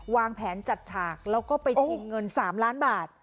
วางแผนจัดฉากแล้วก็ไปชิงเงิน๓ล้านบาท